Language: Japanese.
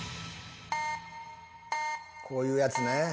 こういうやつね。